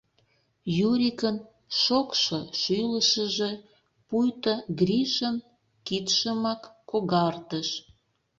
Юрикын шокшо шӱлышыжӧ пуйто Гришын кидшымак когартыш.